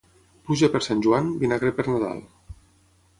Pluja per Sant Joan, vinagre per Nadal.